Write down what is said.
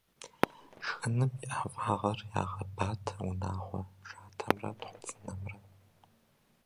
Шхыным и ӏэфагъыр ягъэбатэ унагъуэ шатэмрэ тхъуцӏынэмрэ.